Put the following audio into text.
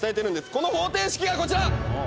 この方程式がこちら！